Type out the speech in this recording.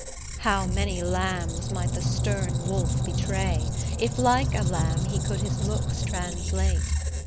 How many lambs might the stern wolf betray, If like a lamb he could his looks translate!